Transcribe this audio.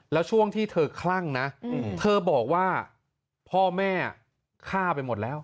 แล้วช่วงที่เธอคลั่งนะเธอบอกว่าพ่อแม่ฆ่าไปหมดแล้ว